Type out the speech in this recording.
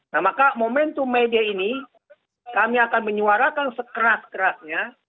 nah maka momentum media ini kami akan menyuarakan sekeras kerasnya